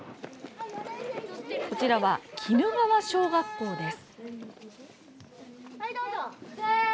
こちらは鬼怒川小学校です。